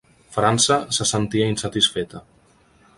França se sentia insatisfeta.